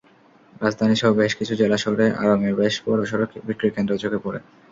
রাজধানীসহ বেশ কিছু জেলা শহরে আড়ংয়ের বেশ বড়সড় বিক্রয়কেন্দ্র চোখে পড়ে।